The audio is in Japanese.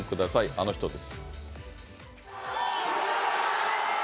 あの人です。